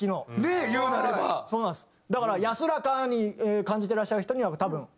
だから安らかに感じてらっしゃる人には多分。